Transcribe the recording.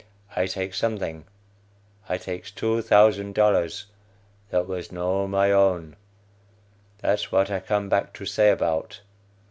I takes something; I takes two thousand dollars that was no my own; that's what I come back to say about.